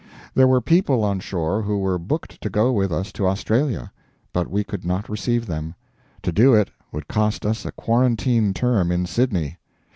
There were people on shore who were booked to go with us to Australia, but we could not receive them; to do it would cost us a quarantine term in Sydney.